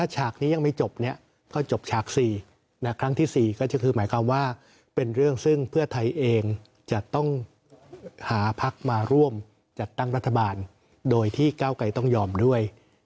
จัดตั้งรัฐบาลโดยที่ก้าวไก่ต้องยอมด้วย